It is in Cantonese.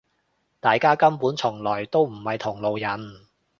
大家根本從來都唔係同路人